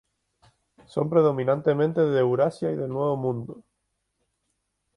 Son predominantemente de Eurasia y del Nuevo Mundo.